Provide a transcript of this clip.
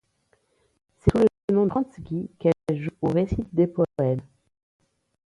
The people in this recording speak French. C’est sous le nom de Franz Guy qu’elle joue ou récite des poèmes.